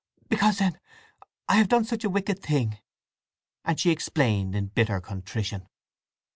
"Because, then, I've done such a wicked thing!" And she explained, in bitter contrition.